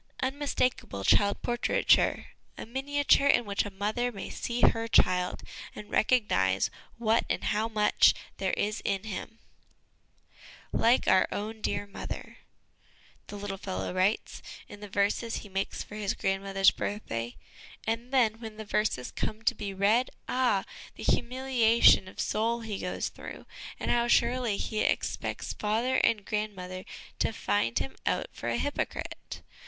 unmistakable child por traiture^ miniature in which a mother may see her child and recognise what and how much there is in him :" Like our own dear mother," 1 See Appendix A. LESSONS AS INSTRUMENTS OF EDUCATION 183 the little fellow writes, in the verses he makes for his grandmother's birthday; and then, when the verses come to be read, ah ! the humiliation of soul he goes through, and how surely he expects father and grand mother to find him out for a hypocrite.